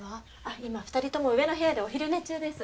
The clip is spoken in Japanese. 今２人とも上の部屋でお昼寝中です。